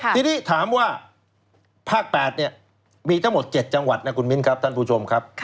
ทีนี้ถามว่าภาค๘เนี่ยมีทั้งหมด๗จังหวัดนะคุณมิ้นครับท่านผู้ชมครับ